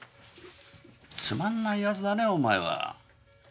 つまんないヤツだねお前は。